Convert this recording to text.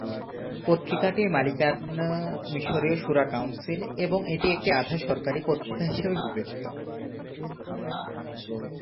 পত্রিকাটির মালিকানা মিশরীয় শূরা কাউন্সিল এবং এটি একটি আধা-সরকারি পত্রিকা হিসাবে বিবেচিত।